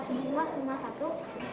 tas memuas cuma satu